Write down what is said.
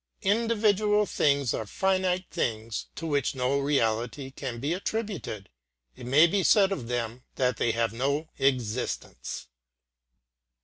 Individual things are finite things to which no reality can be attributed; it may be said of them that they have no existence.